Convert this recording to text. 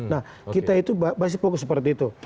nah kita itu masih fokus seperti itu